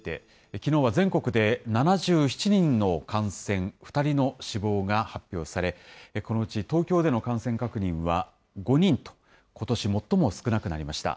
きのうは全国で７７人の感染、２人の死亡が発表され、このうち東京での感染確認は５人と、ことし最も少なくなりました。